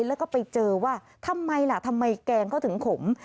แล้วก็ไปเจอว่าทำไมล่ะทำไมแกงเขาถึงขม